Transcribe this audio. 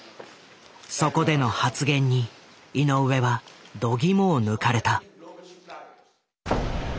そこでの発言に井上はどぎもを抜かれた。